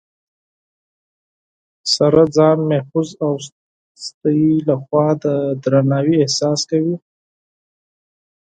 سره ځان محفوظ او ستاسې لخوا د درناوي احساس کوي